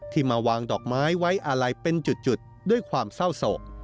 มาวางดอกไม้ไว้อาลัยเป็นจุดด้วยความเศร้าโศก